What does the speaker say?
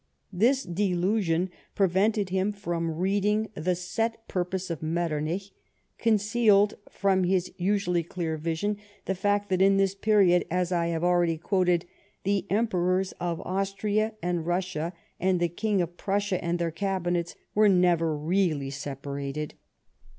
This delusion prevented him from reading the set purpose of I\Ietternich ; concealed from his usually clear vision the fact that at this period as I have already quoted, " the Emperors of Austria and Russia and the King of Prussia and their cabinets were never really sepai ated."